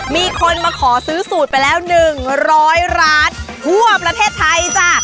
มีคนมาขอซื้อสูตรไปแล้ว๑๐๐ร้านทั่วประเทศไทยจ้ะ